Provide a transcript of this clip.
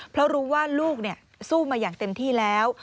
เพราะรู้ว่าลูกสู้มาอย่างเต็มที่แล้ว